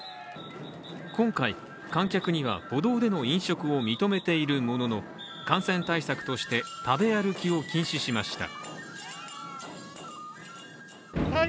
今回、観客には歩道での飲食を認めているものの感染対策として食べ歩きを禁止しました。